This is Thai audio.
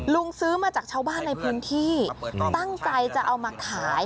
ซื้อมาจากชาวบ้านในพื้นที่ตั้งใจจะเอามาขาย